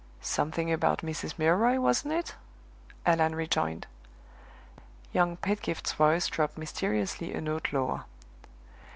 "Something about Mrs. Milroy, wasn't it?" Allan rejoined. Young Pedgift's voice dropped mysteriously a note lower.